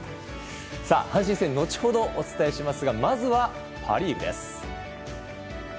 阪神戦、後ほどお伝えしますがまずはパ・リーグです。